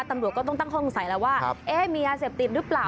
ตำรวจก็ต้องตั้งข้อสงสัยแล้วว่ามียาเสพติดหรือเปล่า